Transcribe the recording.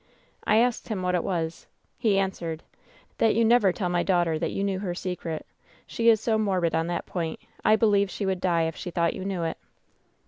* "I asked him what it was. He answered :" 'That you never tell my daughter that you knew her secret. She is so morbid on that point, I believe she would die if she thought you knew it.'